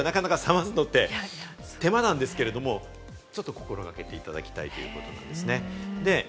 朝、時間がないから、なかなか冷ますのって手間なんですけれどね、ちょっと心掛けていただきたいということですね。